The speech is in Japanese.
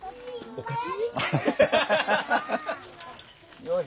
お菓子。